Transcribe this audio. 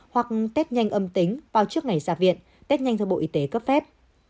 hoặc test nhanh âm tính vào trước ngày ra viện test nhanh do bộ y tế cấp phép